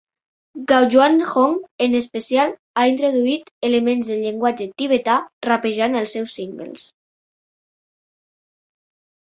Gaoyuan Hong en especial ha introduït elements del llenguatge tibetà rapejant als seus singles.